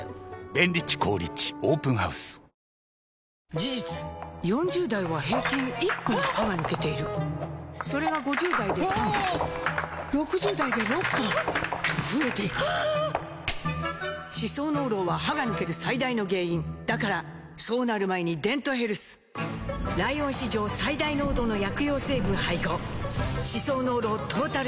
事実４０代は平均１本歯が抜けているそれが５０代で３本６０代で６本と増えていく歯槽膿漏は歯が抜ける最大の原因だからそうなる前に「デントヘルス」ライオン史上最大濃度の薬用成分配合歯槽膿漏トータルケア！